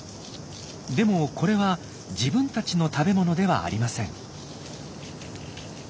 でもこれは自分たちの食べ物ではありません。